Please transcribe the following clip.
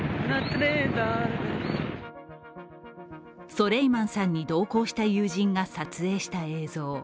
ソレイマンさんに同行した友人が撮影した映像。